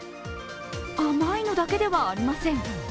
甘いのだけではありません。